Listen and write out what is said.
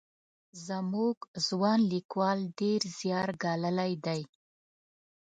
زموږ ځوان لیکوال ډېر زیار ګاللی دی.